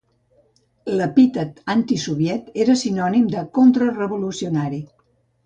L'epítet "antisoviet" era sinònim de "contrarevolucionari".